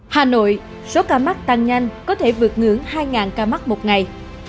hà nội số ca mắc tăng nhanh có thể vượt ngưỡng hai ca mắc một ngày